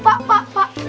pak pak pak